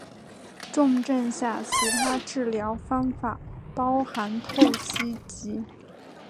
重症下其他治疗方法包含透析及。